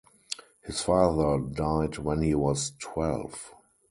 His father died when he was twelve.